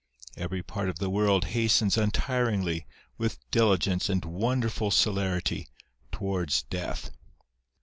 Every part of the world hastens untiringly, with diligence and wonderful celerity, towards death.